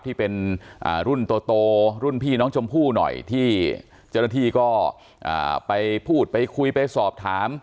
ที่เป็นรุ่นโตรุ่นพี่น้องชมพู่หน่อยที่เจ้าหน้าที่ก็ไปพูดไปคุยไปสอบถาม